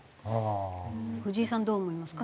藤井さんどう思いますか？